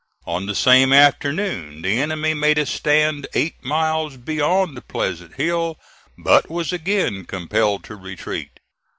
On the same afternoon the enemy made a stand eight miles beyond Pleasant Hill, but was again compelled to retreat.